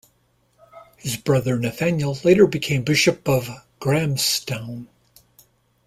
His brother Nathanial later became Bishop of Grahamstown.